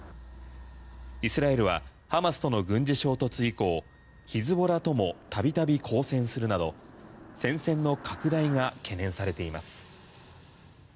イスラエルはハマスとの軍事衝突以降ヒズボラとも度々抗戦するなど戦線の拡大が懸念されています。